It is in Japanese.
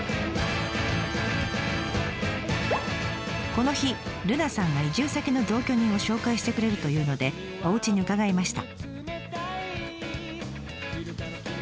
この日瑠奈さんが移住先の同居人を紹介してくれるというのでお家に伺いました。